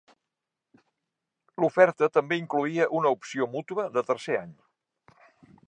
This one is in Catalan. L'oferta també incloïa una opció mútua de tercer any.